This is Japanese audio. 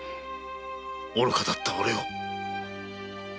愚かだった俺を。